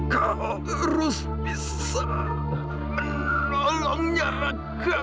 kamu harus bisa menolongnya raka